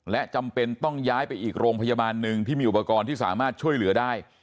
และจำเป็นต้องย้ายไปอีกโรงพยาบาลหนึ่งที่มีอุปกรณ์ที่สามารถช่วยเหลือได้